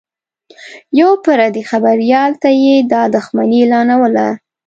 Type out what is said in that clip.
یوه پردي خبریال ته یې دا دښمني اعلانوله